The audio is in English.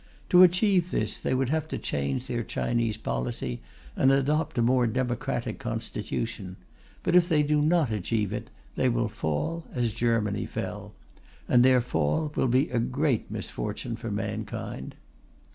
To achieve this, they would have to change their Chinese policy and adopt a more democratic constitution; but if they do not achieve it, they will fall as Germany fell. And their fall will be a great misfortune for mankind.